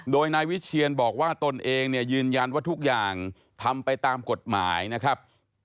โดยนายวิเชียนบอกว่าตนเองเนี่ยยืนยันว่าทุกอย่างทำไปตามกฎหมายนะครับ